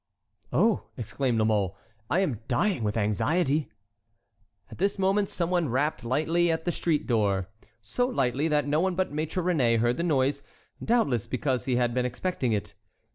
"Oh," exclaimed La Mole, "I am dying with anxiety." At this moment some one rapped lightly at the street door—so lightly that no one but Maître Réné heard the noise, doubtless because he had been expecting it.